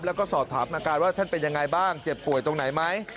แล้วก็สอบถามอาการว่าท่านเป็นยังไงบ้างเจ็บป่วยตรงไหนไหม